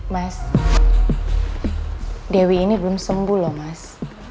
mas dewi ini belum sembuh loh mas